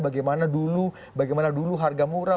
bagaimana dulu harga murah